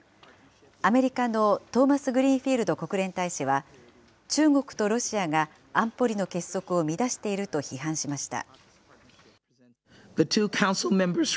アメリカのトーマスグリーンフィールド国連大使は、中国とロシアが安保理の結束を乱していると批判しました。